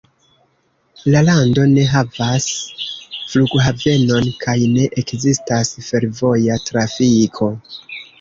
La lando ne havas flughavenon, kaj ne ekzistas fervoja trafiko.